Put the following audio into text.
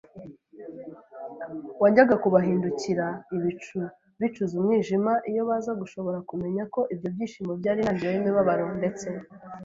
wajyaga kubahindukira ibicu bicuze umwijima iyo baza gushobora kumenya ko ibyo byishimo byari intangiriro y'imibabaro ndetse